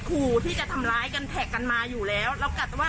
ขู่ที่จะทำร้ายแท็กกันมาอยู่แล้ว